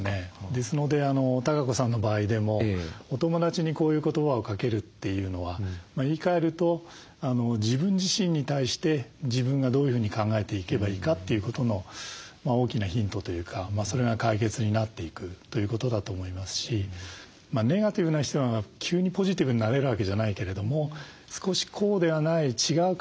ですのでたかこさんの場合でもお友達にこういう言葉をかけるというのは言いかえると自分自身に対して自分がどういうふうに考えていけばいいかということの大きなヒントというかそれが解決になっていくということだと思いますしネガティブな人が急にポジティブになれるわけじゃないけれども少しこうではない違う考え方もある。